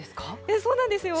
そうなんですよ。